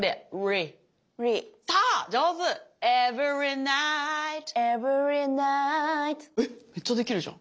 めっちゃできるじゃん。